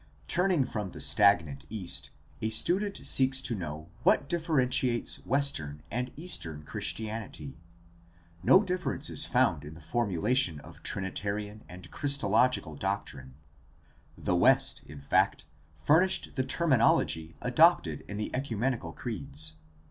— Turning from the stagnant East a student seeks to know what differentiates Western and Eastern Christianity. No differ ence is found in the formulation of trinitarian and christo DEVELOPMENT OF THE CATHOLIC CHURCH 341 logical doctrine. The West in fact furnished the terminology adopted in the ecumenical creeds.